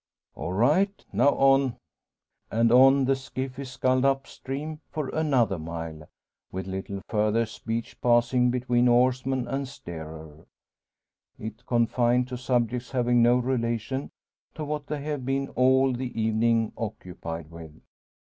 "All right! Now on!" And on the skiff is sculled up stream for another mile, with little further speech passing between oarsman and steerer; it confined to subjects having no relation to what they have been all the evening occupied with.